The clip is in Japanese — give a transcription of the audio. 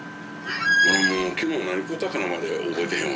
昨日何食うたかまで覚えてへんわ。